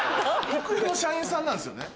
コクヨの社員さんなんですよね？